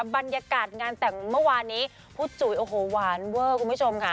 บรรยากาศงานแต่งเมื่อวานนี้พุทธจุ๋ยโอ้โหหวานเวอร์คุณผู้ชมค่ะ